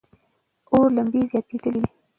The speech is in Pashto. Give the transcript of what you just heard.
اور لمبې زیاتېدلې وې.